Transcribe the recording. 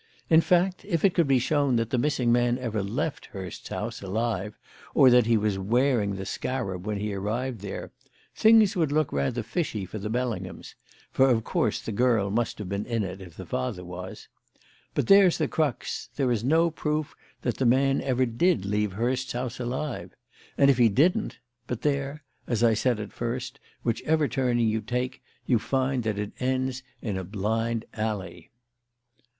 In fact, if it could be shown that the missing man ever left Hurst's house alive, or that he was wearing the scarab when he arrived there, things would look rather fishy for the Bellinghams for, of course, the girl must have been in it if the father was. But there's the crux: there is no proof that the man ever did leave Hurst's house alive. And if he didn't but there! as I said at first, whichever turning you take, you find that it ends in a blind alley."